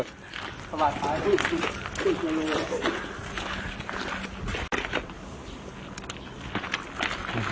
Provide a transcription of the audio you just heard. ขวัดพายดิ